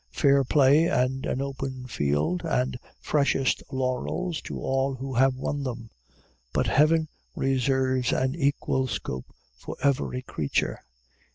Fair play, and an open field, and freshest laurels to all who have won them! But heaven reserves an equal scope for every creature.